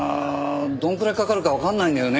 どのくらいかかるかわからないんだよね。